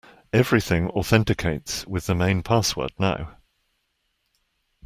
Everything authenticates with the main password now.